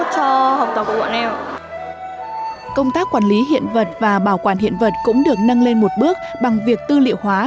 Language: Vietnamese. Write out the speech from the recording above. công tác quản lý hiện vật và bảo quản hiện vật cũng được nâng lên một bước bằng việc tư liệu hóa